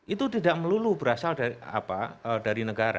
itu tidak melulu berasal dari apa dari negara